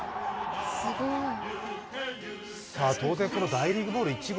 大リーグボール１号。